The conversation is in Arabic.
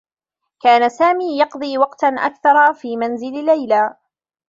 كان سامي يقضي وقتا أكثر في منزل ليلى.